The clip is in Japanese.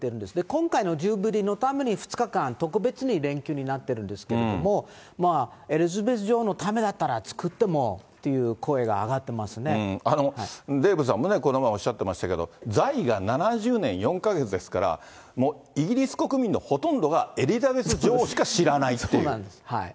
今回のジュビリーのために２日間、特別に連休になってるんですけれども、エリザベス女王のためだったら作ってもといういう声が上がってまデーブさんもこの前おっしゃってましたけど、在位が７０年４か月ですから、イギリス国民のほとんどがエリザベス女王しか知らないっていう。